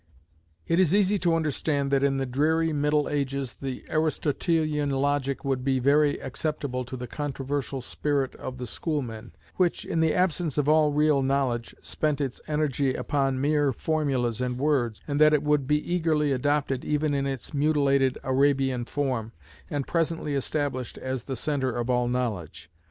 It is easy to understand that in the dreary middle ages the Aristotelian logic would be very acceptable to the controversial spirit of the schoolmen, which, in the absence of all real knowledge, spent its energy upon mere formulas and words, and that it would be eagerly adopted even in its mutilated Arabian form, and presently established as the centre of all knowledge.